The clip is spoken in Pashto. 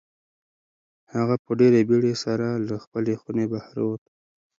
هغه په ډېرې بېړۍ سره له خپلې خونې بهر ووت.